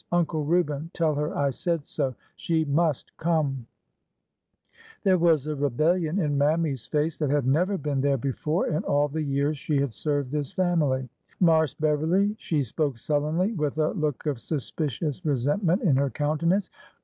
Uncle Reuben, tell her I said so. She must come 1 " There was a rebellion in Mammy's face that had never been there before in all the years she had served this family. "DARK SKINNED WHITE LADY" 301 '' Marse Beverly ! She spoke sullenly, with a look of suspicious resentment in her countenance.